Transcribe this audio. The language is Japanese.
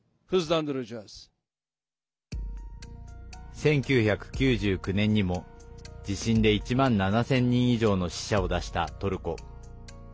１９９９年にも、地震で１万７０００人以上の死者を出したトルコ。